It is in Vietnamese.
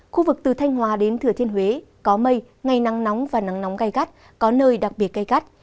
khu vực từ thanh hòa đến thừa thiên huế có mây ngày nắng nóng và nắng nóng gai gắt có nơi đặc biệt gây gắt